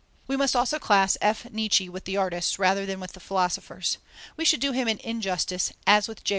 We must also class F. Nietzsche with the artists, rather than with the philosophers. We should do him an injustice (as with J.